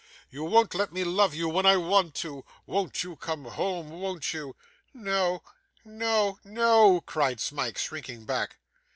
You won't let me love you when I want to. Won't you come home, won't you?' 'No, no, no,' cried Smike, shrinking back.